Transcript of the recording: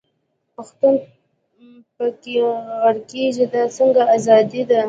پښتون په کښي غرقېږي، دا څنګه ازادي ده.